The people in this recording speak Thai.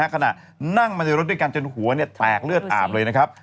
ขณะนั่งมาในรถด้วยกันจนหัวแตกเลือดอาบเลยนะครับ